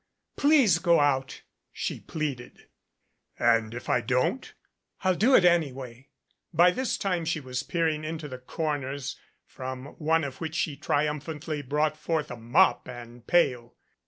Please go out," she pleaded. "And if I don't?" "I'll do it anyway." By this time she was peering into the corners, from one of which she triumphantly brought forth a mop and pail.